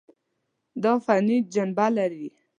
دا فني جنبه لري.